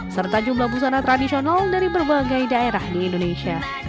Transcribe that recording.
serta jumlah busana tradisional dari berbagai daerah di indonesia